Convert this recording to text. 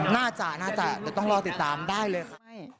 อ๋อน่าจะจะต้องรอติดตามได้เลยค่ะ